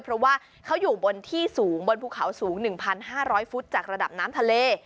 เพราะว่าเขาอยู่บนที่สูงบนภูเขาสูง๑๕๐๐ฟุตจากระดับน้ำทะเล